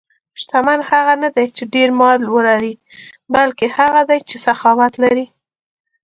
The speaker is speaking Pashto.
شتمن هغه نه دی چې ډېر مال ولري، بلکې هغه دی چې سخاوت لري.